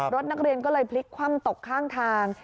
รถนักเรียนก็เลยพลิกคว่ำตกข้างทาง